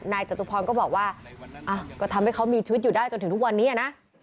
จตุพรก็บอกว่าก็ทำให้เขามีชีวิตอยู่ได้จนถึงทุกวันนี้นะ